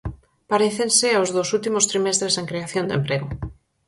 Parécense aos dos últimos trimestres en creación de emprego.